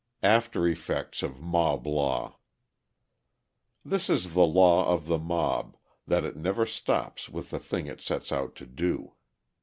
After Effects of Mob law This is the law of the mob, that it never stops with the thing it sets out to do.